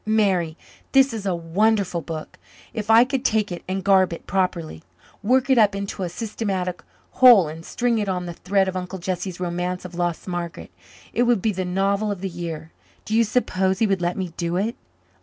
"Mary, this is a wonderful book. If I could take it and garb it properly work it up into a systematic whole and string it on the thread of Uncle Jesse's romance of lost Margaret, it would be the novel of the year. Do you suppose he would let me do it?"